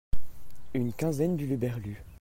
Une quinzaine d'huluberlus.